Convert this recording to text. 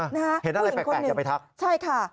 เห็นอะไรแปลกอย่าไปทัก